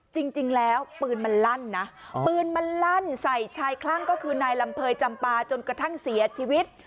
จริงแล้วปืนมันลั่นนะปืนมันลั่นใส่ชายคลั่งก็คือนายลำเภยจำปาจนกระทั่งเสียชีวิต